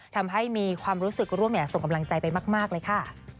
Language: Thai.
ทำให้มีความรู้สึกร่วมส่งกำลังใจไปมากเลยค่ะ